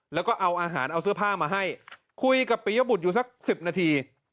แล้วก็เอาอาหารเอาเสื้อผ้ามาให้คุยกับปียบุตรอยู่สัก๑๐นาที